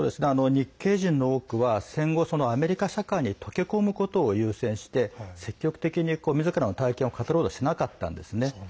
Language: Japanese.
日系人の多くは戦後アメリカ社会に溶け込むことを優先して積極的にみずからの体験を語ろうとしなかったんですね。